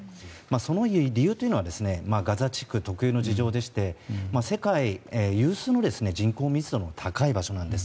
その理由はガザ地区特有の事情でして世界有数の人口密度の高い場所なんです。